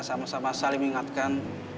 sama sama saling mengingatkan